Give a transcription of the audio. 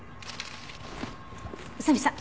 宇佐見さん